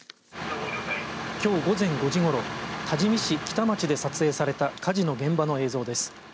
きょう午前５時ごろ多治見市喜多町で撮影された火事の現場の映像です。